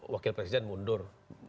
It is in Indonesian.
wakil presiden mundur